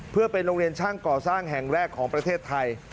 เพื่อเป็นโรงเรียนช่างก่อสร้างแห่งแรกของประเทศไทย